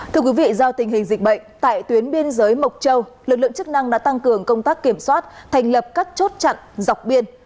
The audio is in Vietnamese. thưa quý vị do tình hình dịch bệnh tại tuyến biên giới mộc châu lực lượng chức năng đã tăng cường công tác kiểm soát thành lập các chốt chặn dọc biên